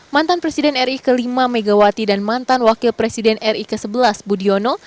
mantan presiden ri ke lima megawati dan mantan wakil presiden ri ke sebelas budiono